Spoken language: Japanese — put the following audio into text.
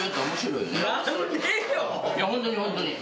いやホントにホントに。